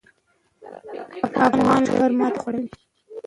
افغاني لښکر ماتې خوړله.